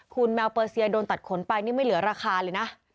คุณแมวเปอร์เซียโดนตัดขนไปนี่ไม่เหลือราคาเลยนะ